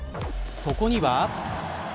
そこには。